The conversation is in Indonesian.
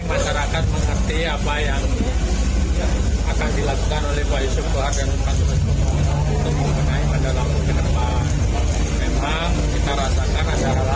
masyarakat mengerti apa yang akan dilakukan oleh pak yusuf goharka